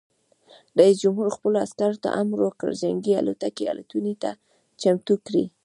رئیس جمهور خپلو عسکرو ته امر وکړ؛ جنګي الوتکې الوتنې ته چمتو کړئ!